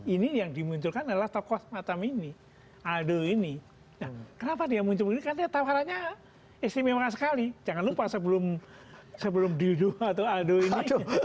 ini yang dimunculkan adalah tokoh semacam ini aldo ini kenapa dia muncul ini karena tawarannya istimewa sekali jangan lupa sebelum diodo atau aldo ini